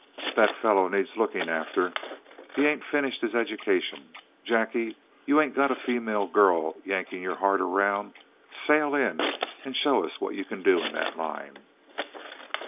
That fellow needs looking after; he ain't finished his education. Jacky, you ain't got a female girl yanking your heart around, sail in and show us what yuh can do in that line."